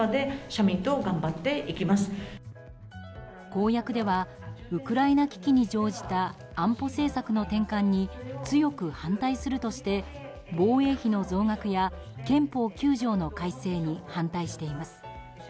公約ではウクライナ危機に乗じた安保政策の転換に強く反対するとして防衛費の増額や憲法９条の改正に反対しています。